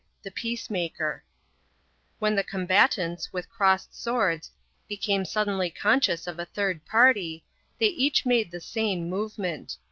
THE PEACEMAKER When the combatants, with crossed swords, became suddenly conscious of a third party, they each made the same movement.